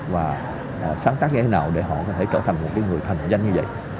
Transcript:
và sáng tắt như thế nào để họ có thể trở thành một người thành dân như vậy